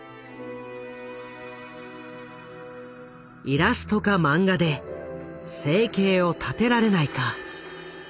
「イラストか漫画で生計を立てられないか」。